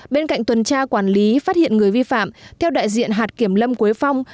bên cạnh tuần tra quản lý phát hiện người vi phạm theo đại diện hạt kiểm lâm quế phong